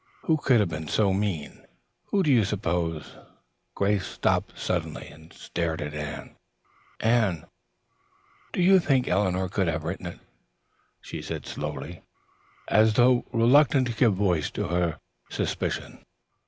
"Who could have been so mean? Anne, why do you suppose " Grace stopped suddenly and stared at Anne. "Anne do you think that Eleanor could have written it?" she said slowly, as though reluctant to give voice to her suspicion.